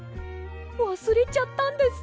わすれちゃったんですか？